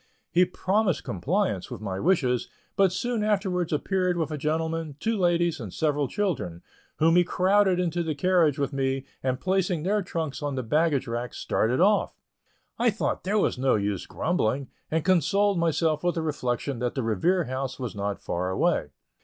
He promised compliance with my wishes, but soon afterwards appeared with a gentleman, two ladies, and several children, whom he crowded into the carriage with me, and placing their trunks on the baggage rack, started off. I thought there was no use in grumbling, and consoled myself with the reflection that the Revere House was not far away.